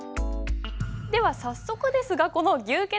では早速ですがこの「牛造像記」